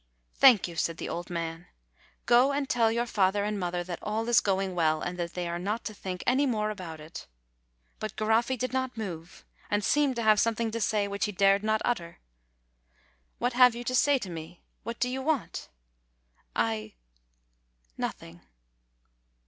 "Thank you," said the old man; "go and tell your father and mother that all is going well, and that they are not to think any more about it." But Garoffi did not move, and seemed to have something to say which he dared not utter. "What have you to say to me? What do you want?" "I? Nothing."